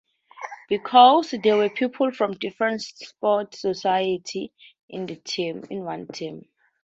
Because there were people from different sports societies in one team.